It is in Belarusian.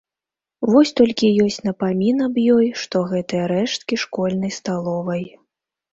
Вось толькі ёсць напамін аб ёй, што гэтыя рэшткі школьнай сталовай.